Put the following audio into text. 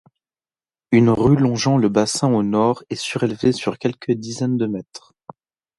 Une rue longeant le bassin au nord est surélevée sur quelques dizaines de mètres.